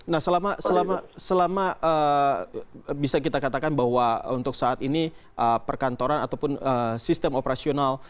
nah selama bisa kita katakan bahwa untuk saat ini perkantoran ataupun sistem operasional